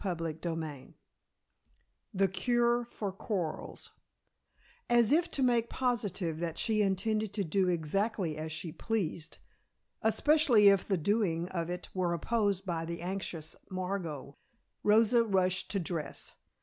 CHAPTER IX THE CURE FOR QUARRELS As if to make positive that she intended to do exactly as she pleased, especially if the doing of it were opposed by the anxious Margot, Rosa rushed to dress.